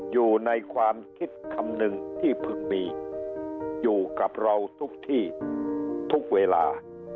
อยู่ในความคิดคำนึงที่เพิ่งมีอยู่กับเราทุกที่ทุกเวลา